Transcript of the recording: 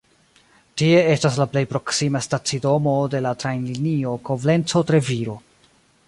Tie estas la plej proksima stacidomo de la trajnlinio Koblenco-Treviro.